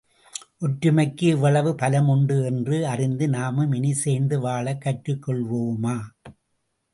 ஒற்றுமைக்கு இவ்வளவு பலம் உண்டு என்று அறிந்த நாமும் இனி சேர்ந்து வாழக் கற்றுக்கொள்வோமா?